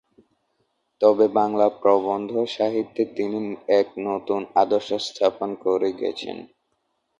তবে বাংলা প্রবন্ধ সাহিত্যে তিনি এক নতুন আদর্শ স্থাপন করে গেছেন।